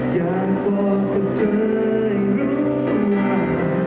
อยากบอกกับเธอให้รู้ว่า